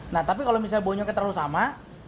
nah tapi kalau misalnya bonyoknya terlalu sama